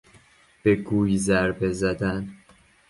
به گوی ضربه زدن